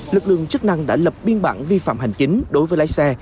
lực lượng chức năng đã lập biên bản vi phạm hành chính đối với lái xe